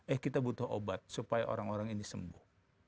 eh kita butuh obat supaya orang orang ini sembuh